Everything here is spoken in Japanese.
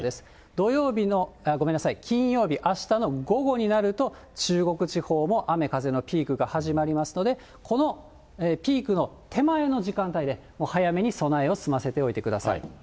土曜日の、ごめんなさい、金曜日、あしたの午後になると、中国地方も雨風のピークが始まりますので、このピークの手前の時間帯で、早めに備えを済ませておいてください。